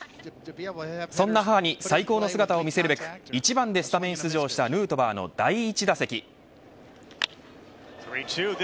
そんな母に最高の姿を見せるべく１番でスタメン出場したヌートバーの第１打席。